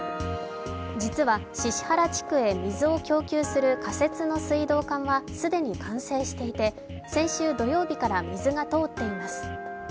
実は、宍原地区へ水を供給する仮設の水道管は既に完成していて先週土曜日から水が通っています。